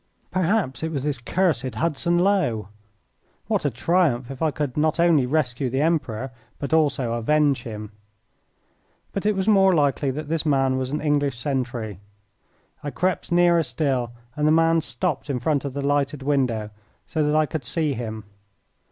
Perhaps it was this cursed Hudson Lowe. What a triumph if I could not only rescue the Emperor, but also avenge him! But it was more likely that this man was an English sentry. I crept nearer still, and the man stopped in front of the lighted window, so that I could see him.